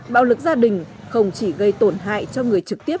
bạo lực gia đình không chỉ gây tổn hại cho người trực tiếp